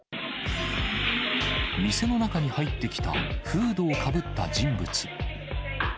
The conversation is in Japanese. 店の中に入ってきたフードをかぶった人物。